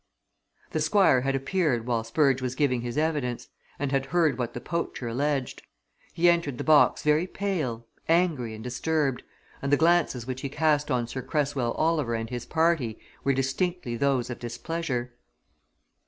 The Squire had appeared while Spurge was giving his evidence, and had heard what the poacher alleged. He entered the box very pale, angry, and disturbed, and the glances which he cast on Sir Cresswell Oliver and his party were distinctly those of displeasure.